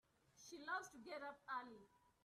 She loves to get up early.